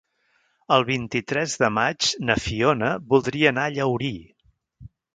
El vint-i-tres de maig na Fiona voldria anar a Llaurí.